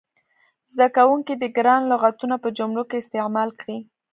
زده کوونکي دې ګران لغتونه په جملو کې استعمال کړي.